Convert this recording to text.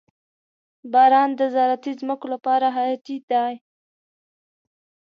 • باران د زراعتي ځمکو لپاره حیاتي دی.